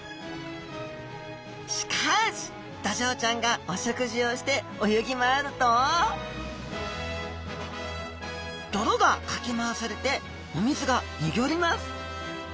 しかしドジョウちゃんがお食事をして泳ぎ回ると泥がかき回されてお水が濁ります。